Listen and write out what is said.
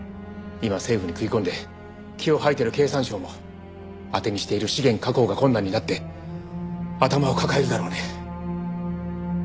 今政府に食い込んで気を吐いてる経産省も当てにしている資源確保が困難になって頭を抱えるだろうね。